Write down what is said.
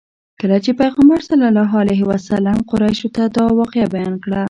کله چې پیغمبر صلی الله علیه وسلم قریشو ته دا واقعه بیان کړه.